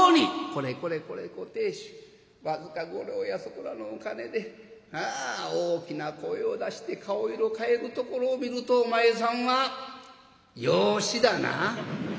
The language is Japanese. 「これこれこれご亭主僅か５両やそこらのお金でああ大きな声を出して顔色変えるところを見るとお前さんは養子だな？」。